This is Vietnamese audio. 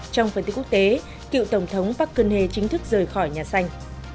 trong phần tiết quốc tế cựu tổng thống park geun hye chính thức rời khỏi nhà xanh